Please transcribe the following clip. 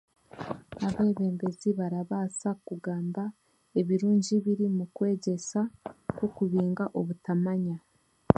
Abeebembezi barabaasa kugamba ebirungi biri mu kwegyesa kwokubinga obutamanya